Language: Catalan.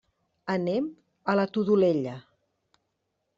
Anem a la Todolella.